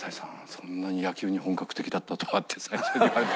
そんなに野球に本格的だったとは」って最初に言われて。